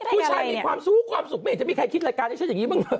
ผู้ชายมีความสู้ความสุขเมฆจะมีใครคิดรายการนี้เช่นอย่างนี้บ้าง